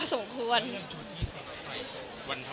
วันธรรมดาอะไรอย่างเงี้ยครับ